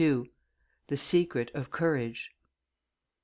THE SECRET OF COURAGE.